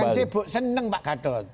bukan sibuk seneng pak gatot